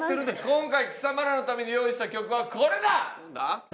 今回貴様らのために用意した曲はこれだ！